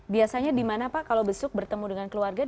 biasanya di mana pak kalau besuk bertemu dengan keluarga